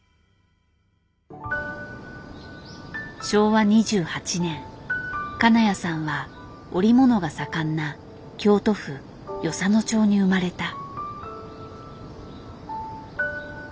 昭和２８年金谷さんは織物が盛んな京都府与謝野町に生まれた。